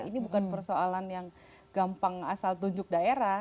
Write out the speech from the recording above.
ini bukan persoalan yang gampang asal tunjuk daerah